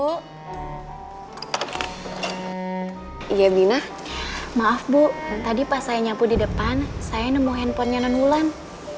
oh iya bina maaf bu jadi pas saya nyambut di depan saya nemu handphonenya nulang